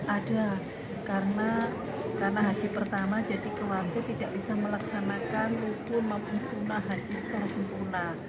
ada karena haji pertama jadi ke waktu tidak bisa melaksanakan rukun maupun sunnah haji secara sempurna